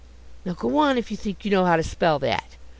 Now go on, if you think you know how to spell that!